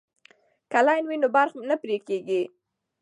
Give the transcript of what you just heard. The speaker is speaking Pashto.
که لین وي نو برق نه پرې کیږي.